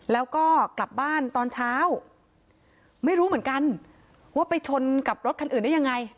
แล้วก็กลับบ้านตอนเช้าไม่รู้เหมือนกันว่าไปชนกับรถคันอื่นได้ยังไง